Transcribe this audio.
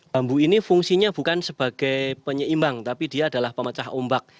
bambu ini fungsinya bukan sebagai penyeimbang tapi dia adalah pemecah ombak